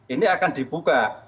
ini akan dibuka